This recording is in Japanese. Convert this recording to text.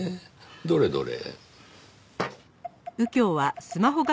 どれどれ。